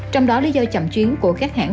trong đó lý do chậm chuyến của các hãng